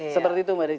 seperti itu mbak des